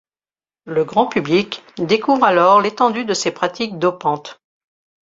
Le grand public découvre alors l'étendue de ces pratiques dopantes.